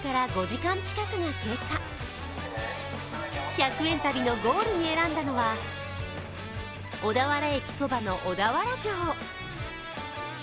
１００円旅のゴールに選んだのは、小田原駅そばの小田原城。